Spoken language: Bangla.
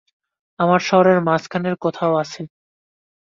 আমরা শহরের মাঝখানের কোথাও আছি।